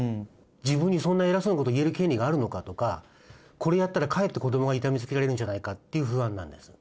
自分にそんな偉そうなこと言える権利があるのかとかこれやったらかえって子どもが痛めつけられるんじゃないかっていう不安なんです。